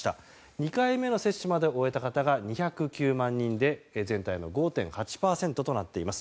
２回目の接種まで終えた方が２０９万人で全体の５．８％となっています。